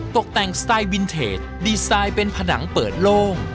ตกแต่งสไตล์วินเทจดีไซน์เป็นผนังเปิดโล่ง